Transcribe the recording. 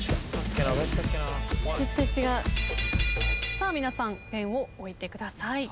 さあ皆さんペンを置いてください。